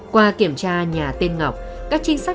qua kiểm tra nhà tên ngọc các trinh sát